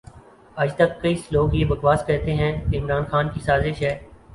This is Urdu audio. اجتک کئئ لوگ یہ بکواس کہتے ھیں کہ عمران خان کی سازش ھے